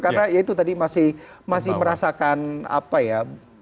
karena itu tadi masih merasakan apa ya